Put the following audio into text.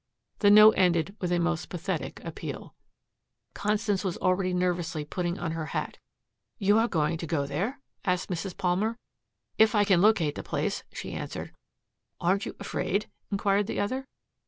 The note ended with a most pathetic appeal. Constance was already nervously putting on her hat. "You are going to go there?" asked Mrs. Palmer. "If I can locate the place," she answered. "Aren't you afraid?" inquired the other.